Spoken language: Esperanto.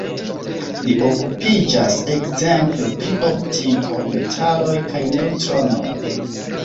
Li okupiĝas ekzemple pri optiko, metaloj kaj neŭtronoj.